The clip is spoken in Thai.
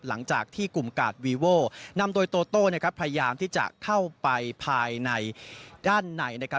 หลังจากที่กลุ่มกาดวีโว่นำโดยโตโต้นะครับพยายามที่จะเข้าไปภายในด้านในนะครับ